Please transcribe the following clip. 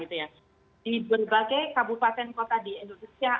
di berbagai kabupaten kota di indonesia